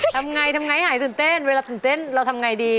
ทำอย่างไรหายสนเต้นเวลาสนเต้นเราทำอย่างไรดี